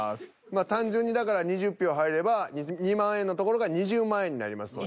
単純にだから２０票入れば２万円のところが２０万円になりますので。